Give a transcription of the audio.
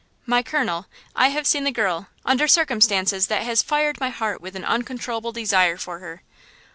"My colonel, I have seen the girl, under circumstances that has fired my heart with an uncontrollable desire for her."